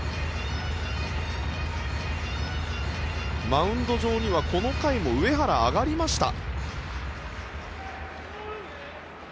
マウンド上にはこの回も上原、上がりました。